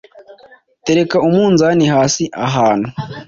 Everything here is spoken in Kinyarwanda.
tereka umunzani hasi ahantu